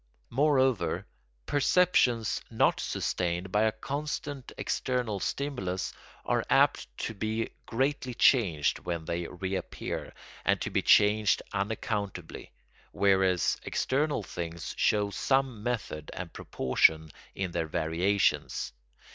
Moreover, perceptions not sustained by a constant external stimulus are apt to be greatly changed when they reappear, and to be changed unaccountably, whereas external things show some method and proportion in their variations.